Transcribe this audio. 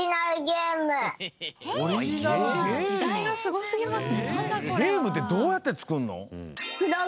ゲームってどうやってつくんの？